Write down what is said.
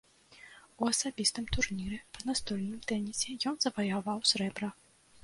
У асабістым турніры па настольным тэнісе ён заваяваў срэбра.